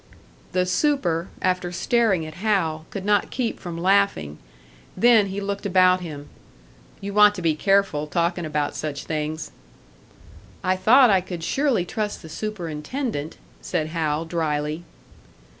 The "super," after staring at Hal, could not keep from laughing. Then he looked about him. "You want to be careful, talking about such things." "I thought I could surely trust the superintendent," said Hal, drily.